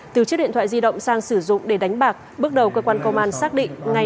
từ chiếc điện thoại di động sang sử dụng để đánh bạc bước đầu cơ quan công an xác định ngay